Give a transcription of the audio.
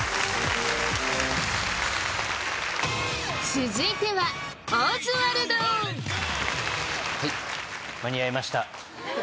続いてははい間に合いました